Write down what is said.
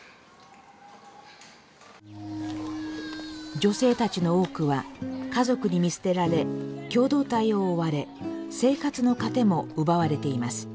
女性たちの多くは家族に見捨てられ共同体を追われ生活の糧も奪われています。